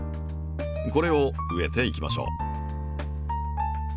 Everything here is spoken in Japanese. これを植えていきましょう。